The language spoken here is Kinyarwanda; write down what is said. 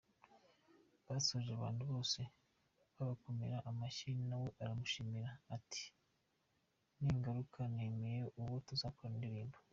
Basoje abantu bose babakomera amashyi na we aramushimira, ati ningaruka “Namenye uwo tuzakorana indirimbo.